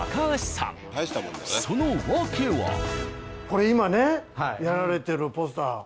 これ今ねやられてるポスター。